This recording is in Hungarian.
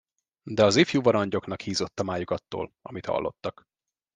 De az ifjú varangyoknak hízott a májuk attól, amit hallottak.